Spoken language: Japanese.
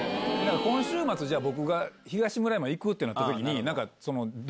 今週末僕が東村山行くってなった時に。